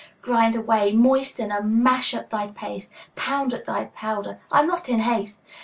Grind away, moisten and mash up thy paste, Pound at thy powder, I am not in haste!